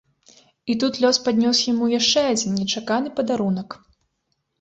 І тут лёс паднёс яму яшчэ адзін нечаканы падарунак.